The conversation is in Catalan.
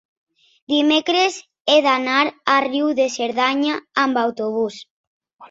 dimecres he d'anar a Riu de Cerdanya amb autobús.